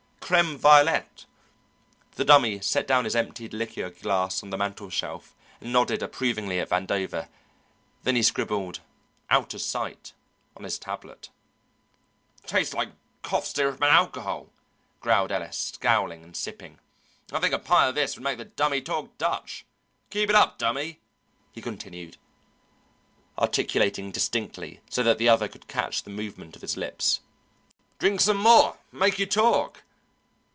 "Crème violette." The Dummy set down his emptied liqueur glass on the mantelshelf, and nodded approvingly at Vandover; then he scribbled, "Out of sight," on his tablet. "Tastes like cough syrup and alcohol," growled Ellis, scowling and sipping. "I think a pint of this would make the Dummy talk Dutch. Keep it up, Dummy," he continued, articulating distinctly so that the other could catch the movement of his lips. "Drink some more make you talk."